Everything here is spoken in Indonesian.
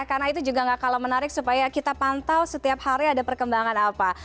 karena itu juga gak kalah menarik supaya kita pantau setiap hari ada perkembangan apa